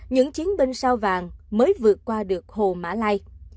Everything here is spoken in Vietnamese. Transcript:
những chiến binh sao vàng mới vượt qua được hồ mã lai